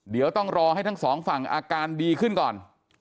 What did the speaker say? เดี๋ยวต้องรอให้ทั้งสองฝั่งอาการดีขึ้นก่อน